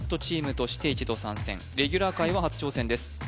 チームとして一度参戦レギュラー回は初挑戦です